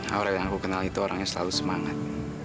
aurel yang aku kenal itu orang yang selalu semangat